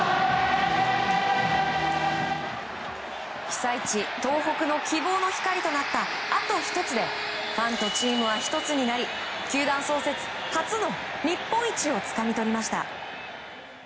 被災地・東北の希望の光となった「あとひとつ」でファンとチームは１つになり球団創設初の日本一をつかみ取りました。